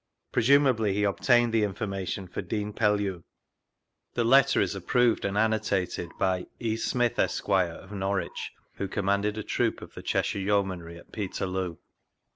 presumably he obtained the in formation for Dean Pellew. The letter is aj^oved and annotated by "E. Smyth, Esq., of Norwich, who commanded a troop of the Cheshire Yeo manry at Peterloo."